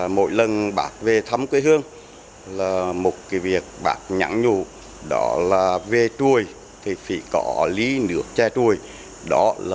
mỗi lần bà con về quê ông đã gạt bỏ tất cả những nghi thức lễ tân để được sống tràn hòa trong vòng tay bà con quê nhà